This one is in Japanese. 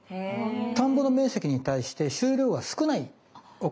田んぼの面積に対して収量が少ないお米なんですね。